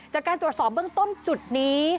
จากการตรวจสอบเบื้องต้นจุดนี้